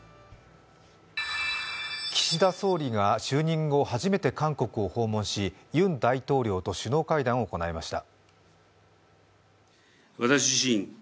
岸田総理が就任後初めて韓国を訪問しユン大統領と首脳会談を行いました。